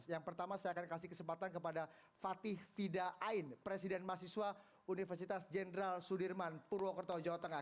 yang pertama saya akan kasih kesempatan kepada fatih fida ain presiden mahasiswa universitas jenderal sudirman purwokerto jawa tengah